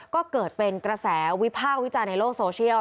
ก็เกิดเป็นกระแสวิพากษ์วิจารณ์ในโลกโซเชียล